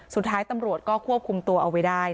สุดท้ายตำรวจก็ควบคุมตัวเอาไว้ได้